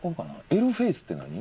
エルフェイスって何？